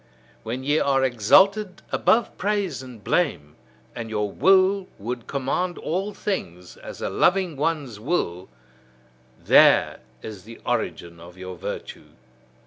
When ye are exalted above praise and blame, and your will would command all things, as a loving one's will: there is the origin of your virtue.